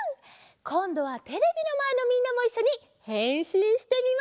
こんどはテレビのまえのみんなもいっしょにへんしんしてみましょう！